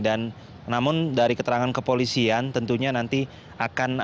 dan namun dari keterangan kepolisian tentunya nanti akan ada